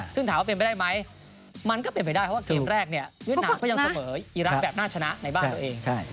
ซึ่งถามว่าเป็นไปได้ไหมมันก็เป็นไปได้เพราะว่าเกมแรกเนี่ยเวียดนามก็ยังเสมออีรักษ์แบบน่าชนะในบ้านตัวเอง